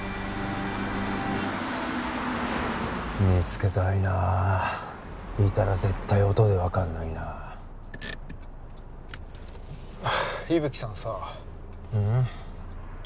見つけたいなあいたら絶対音で分かんのになあ伊吹さんさあうんっ？